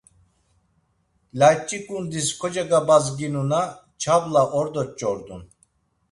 Layç̌i ǩundis kocegabazginuna çabla ordo ç̌ordun.